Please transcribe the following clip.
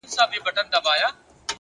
پوه انسان تل د حقیقت پلټونکی وي؛